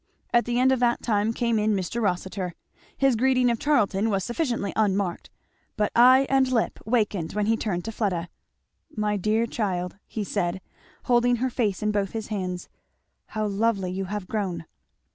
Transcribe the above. At the end of that time came in Mr. Rossitur. His greeting of Charlton was sufficiently unmarked; but eye and lip wakened when he turned to Fleda. "My dear child," he said, holding her face in both his hands, how lovely you have grown!"